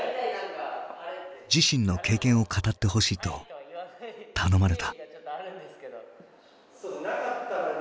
自身の経験を語ってほしいと頼まれた。